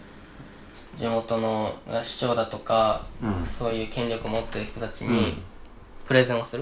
地元の市長だとかそういう権力持ってる人たちにプレゼンをする。